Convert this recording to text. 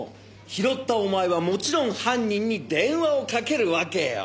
拾ったお前はもちろん犯人に電話をかけるわけよ。